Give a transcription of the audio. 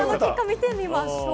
見てみましょうか。